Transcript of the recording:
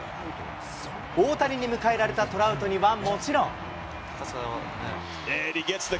大谷に迎えられたトラウトにはもちろん。